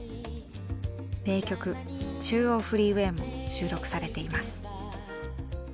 名曲「中央フリーウェイ」も収録されています。